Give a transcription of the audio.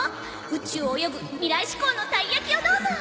宇宙を泳ぐ未来志向のたいやきをどうぞ。